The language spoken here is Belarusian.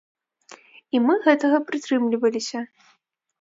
І мы гэтага прытрымліваліся.